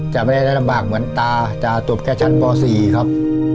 จะไม่ได้ลำบากเหมือนตาตาจบแค่ชั้นป๔ครับ